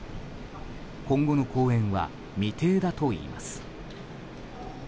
今後の公演は未定だといいます。